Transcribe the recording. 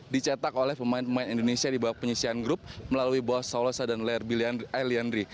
di cetak oleh pemain pemain indonesia di bawah penyisian grup melalui bos solosa dan lairbillianri